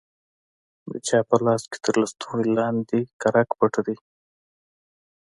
د چا په لاس کښې تر لستوڼي لاندې کرک پټ دى.